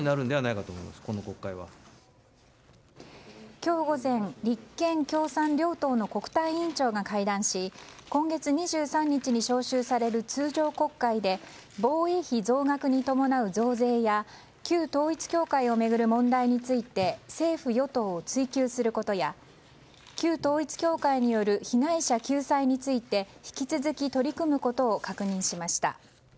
今日午前立憲・共産両党の国対委員長が会談し今月２３日に召集される通常国会で防衛費増額に伴う増税や旧統一教会を巡る問題について政府・与党を追及することや旧統一教会による被害者救済について引き続き取り組むことを確認しました。